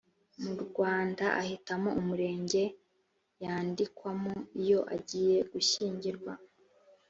mu rwanda ahitamo umurenge yandikwamo iyo agiye gushyingirwa